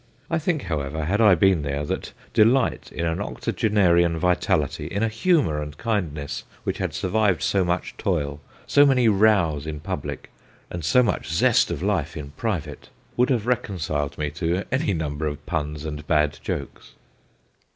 I think, however, had I been there, that delight in an octogenarian vitality, in a humour and kindness which had survived so much toil, so many rows PAM 139 in public, and so much zest of life in private, would have reconciled me to any number of puns and bad jokes.